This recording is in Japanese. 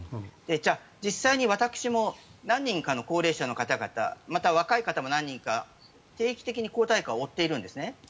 じゃあ実際に、私も何人かの高齢者の方々また、若い方も何人か定期的に抗体価を追っているんですね。